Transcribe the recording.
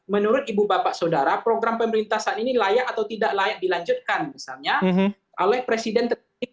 menurut ibu bapak saudara program pemerintah saat ini layak atau tidak layak dilanjutkan misalnya oleh presiden